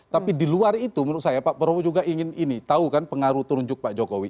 tapi di luar itu menurut saya pak prabowo juga ingin ini tahu kan pengaruh terunjuk pak jokowi